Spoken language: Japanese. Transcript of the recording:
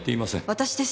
私です。